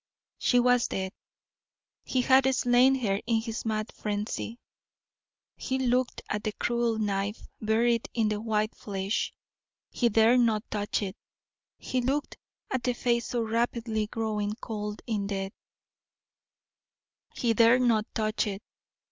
She was dead; he had slain her in his mad frenzy. He looked at the cruel knife buried in the white flesh he dare not touch it. He looked at the face so rapidly growing cold in death he dare not touch it.